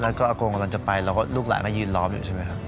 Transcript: แล้วก็อากงกำลังจะไปแล้วก็ลูกหลานก็ยืนล้อมอยู่ใช่ไหมครับ